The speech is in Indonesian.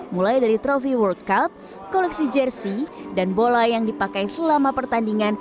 mulai dari trofi world cup koleksi jersey dan bola yang dipakai selama pertandingan